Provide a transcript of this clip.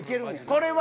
これは。